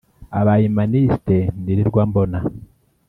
aba humaniste nirirwa mbona